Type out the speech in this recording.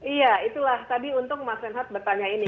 iya itulah tadi untuk mas renhat bertanya ini